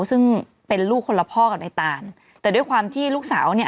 ซึ่งเป็นลูกคนละพ่อกับในตานแต่ด้วยความที่ลูกสาวเนี่ย